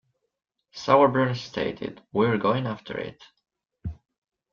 Sauerbrun stated, We're going after it.